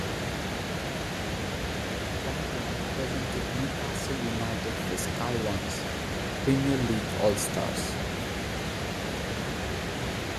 Barton represented Newcastle United for Sky One's "Premier League All Stars".